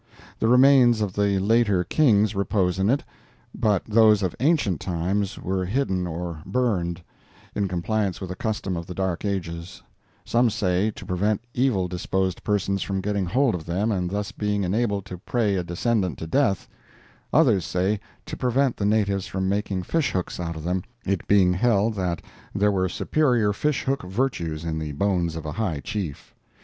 The remains of the later Kings repose in it, but those of ancient times were hidden or burned, in compliance with a custom of the dark ages; some say, to prevent evil disposed persons from getting hold of them and thus being enabled to pray a descendant to death; others say, to prevent the natives from making fish hooks out of them, it being held that there were superior fishhook virtues in the bones of a high chief.